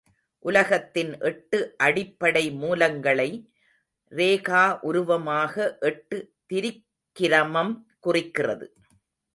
உலகத்தின் எட்டு அடிப்படை மூலங்களை, ரேகா உருவமாக எட்டு திரிக்கிரமம் குறிக்கிறது.